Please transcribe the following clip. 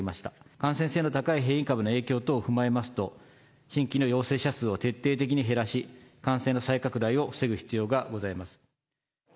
感染性の高い変異株の影響等を踏まえますと、新規の陽性者数を徹底的に減らし、感染の再拡大を防ぐ必要がございます。